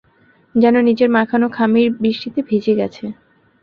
যেন নিজের মাখানো খামির বৃষ্টিতে ভিজে গেছে।